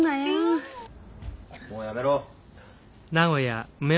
もうやめろ。